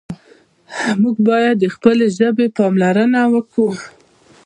موږ باید د خپلې ژبې پالنه وکړو.